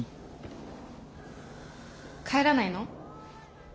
帰らないの？